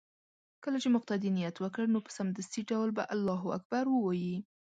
كله چې مقتدي نيت وكړ نو په سمدستي ډول به الله اكبر ووايي